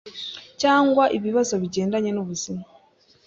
cyangwa ibibazo bigendanye n’ubuzima ,